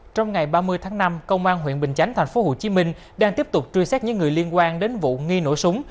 trong ngày ba mươi tháng năm công an huyện bình chánh tp hcm đang tiếp tục truy xét những người liên quan đến vụ nghi nổ súng